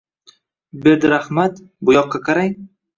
– Berdirahmat, bu yoqqa qarang.